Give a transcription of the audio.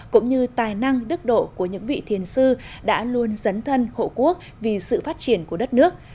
cũng như tài năng đức độ của những vị thiền sư đã luôn dấn thân hộ quốc vì sự phát triển của đất nước